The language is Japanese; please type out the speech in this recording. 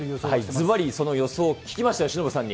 ずばりその予想を聞きました、由伸さんに。